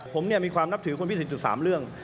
ผมมีความนับถือวิทยาศาสตร์อยู่๓เรื่อง